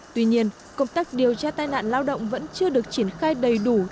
tuy nhiên công tác điều tra tai nạn lao động vẫn chưa được triển khai đầy đủ